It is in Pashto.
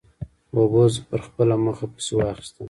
اوبو زه پر خپله مخه پسې واخیستم.